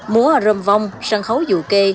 múa râm vong sân khấu dù kê